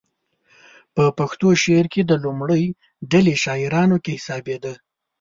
په پښتو شعر کې د لومړۍ ډلې شاعرانو کې حسابېده.